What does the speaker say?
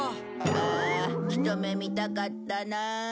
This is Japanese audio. ああひと目見たかったなあ。